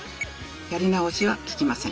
やり直しは利きません。